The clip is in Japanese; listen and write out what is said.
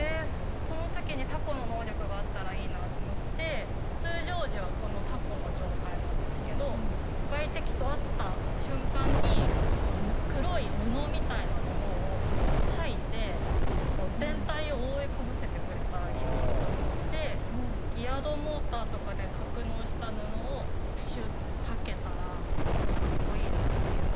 その時にタコの能力があったらいいなと思って通常時はこのタコの状態なんですけど外敵と会った瞬間に黒い布みたいなものを吐いて全体を覆いかぶせてくれたらいいなと思ってギヤドモーターとかで格納した布をプシュッと吐けたらかっこいいなっていう。